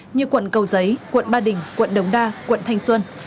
như quận cầu giấy quận ba đình quận đống đa quận thanh xuân